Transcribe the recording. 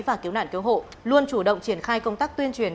và cứu nạn cứu hộ luôn chủ động triển khai công tác tuyên truyền